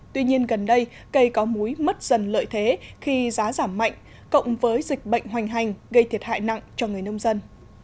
tuy nhiên gần đây cây có múi mất dần lợi thế khi giá giảm mạnh cộng với dịch bệnh hoành hành gây thiệt hại nặng cho người nông dân